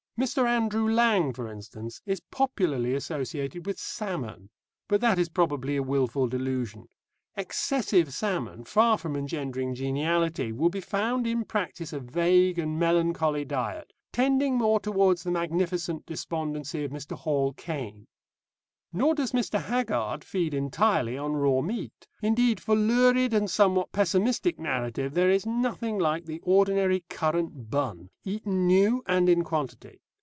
Mr. Andrew Lang, for instance, is popularly associated with salmon, but that is probably a wilful delusion. Excessive salmon, far from engendering geniality, will be found in practice a vague and melancholy diet, tending more towards the magnificent despondency of Mr. Hall Caine. Nor does Mr. Haggard feed entirely on raw meat. Indeed, for lurid and somewhat pessimistic narrative, there is nothing like the ordinary currant bun, eaten new and in quantity.